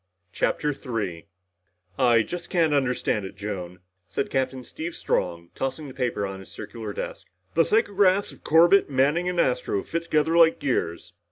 CHAPTER 3 "I just can't understand it, Joan," said Captain Steve Strong, tossing the paper on his circular desk. "The psychographs of Corbett, Manning and Astro fit together like gears.